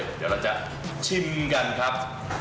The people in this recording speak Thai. เดี๋ยวเราจะชิมกันครับ